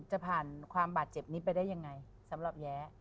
จะผ่านความบาดเจ็บนี้ไปได้ยังไงสำหรับแย้